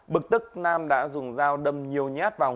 bực tức nam đã dùng dao đâm nhiều nhát vào